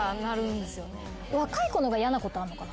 若い子の方が嫌なことあんのかな。